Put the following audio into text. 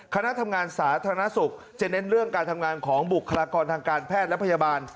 คณะทำงานสาธารณสุขจะเน้นเรื่องการทำงานของบุคลากรทางการแพทย์และพยาบาล